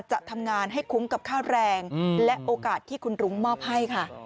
จะทำงานให้คุ้มกับค่าแรงและโอกาสที่คุณรุ้งมอบให้ค่ะ